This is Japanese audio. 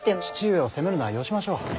父上を責めるのはよしましょう。